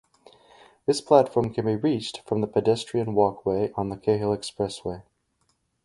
This platform can be reached from the pedestrian walkway on the Cahill Expressway.